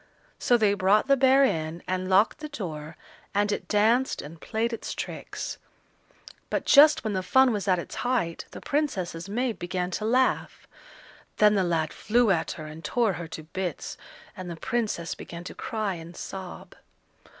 So they brought the bear in, and locked the door, and it danced and played its tricks; but just when the fun was at its height, the Princess's maid began to laugh. Then the lad flew at her and tore her to bits, and the Princess began to cry and sob.